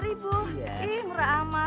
ih murah amat